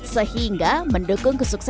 sehingga mendukung kesuksesan